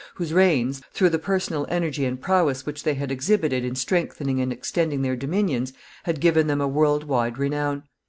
whose reigns, through the personal energy and prowess which they had exhibited in strengthening and extending their dominions, had given them a world wide renown.